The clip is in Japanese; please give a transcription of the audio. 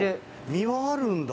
身はあるんだ。